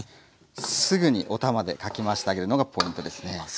すぐにお玉でかき回してあげるのがポイントですね。